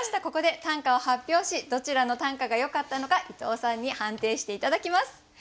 ここで短歌を発表しどちらの短歌がよかったのか伊藤さんに判定して頂きます。